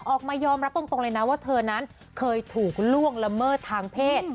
ออกมายอมรับตรงเลยนะว่าเธอนั้นเคยถูกล่วงละเมิดทางเพศ